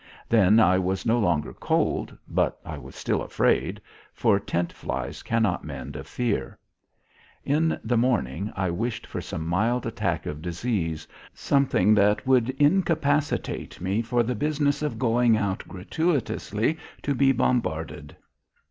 Then I was no longer cold, but I was still afraid, for tent flies cannot mend a fear. In the morning I wished for some mild attack of disease, something that would incapacitate me for the business of going out gratuitously to be bombarded.